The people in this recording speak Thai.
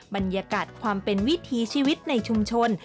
บรรยากาศความเป็นวิถีชีวิตในชุมชน